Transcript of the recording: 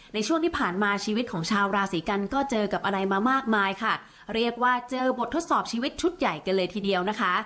ในช่วงที่ผ่านมาชีวิตของชาวราศีกันก็เจอกับอะไรมามากมายค่ะเรียกว่าเจอบททดสอบชีวิตชุดใหญ่กันเลยทีเดียวนะคะ